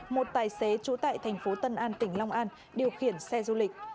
một tài xế trú tại thành phố tân an tỉnh long an điều khiển xe du lịch